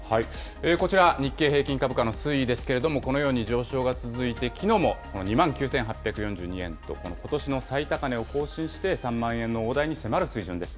こちら、日経平均株価の推移ですけれども、このように上昇が続いて、きのうも２万９８４２円と、ことしの最高値を更新して、３万円の大台に迫る水準です。